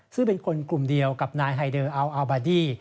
ซึ่งเป็นคนกลุ่มเดียวกับนายไฮเดอร์อัลอัลบาดี้